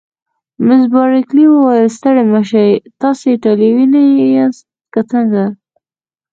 مس بارکلي وویل: ستړي مه شئ، تاسي ایټالوي نه یاست که څنګه؟